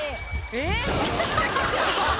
「えっ？」